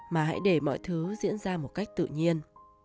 mà hãy để mọi thứ diễn ra một cách tự nhiên